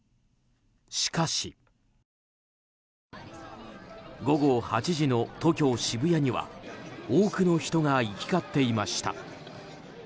しかし午後８時の東京・渋谷には多くの人が行き交っていました。